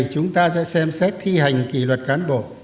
chúng ta sẽ xem xét thi hành kỷ luật cán bộ